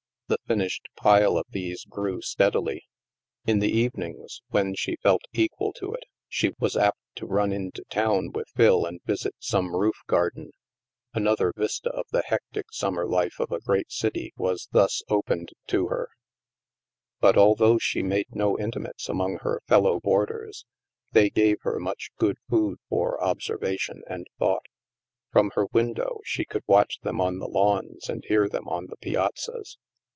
The finished pile of these grew steadily. In the evenings, when she felt equal to it, she was apt to run into town with Phil and visit some roof garden. Another vista of the hectic summer life of a great city was thus opened to her. But although she made no intimates among her fellow boarders, they gave her much good food for observation and thought. From her window she could watch them on the lawns and hear them on the piazzas.